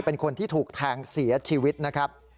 เป็นคนที่ถูกแทงเสียชีวิตนะครับ